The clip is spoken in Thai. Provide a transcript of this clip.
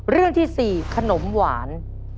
เรื่องที่๔ขนมหวาน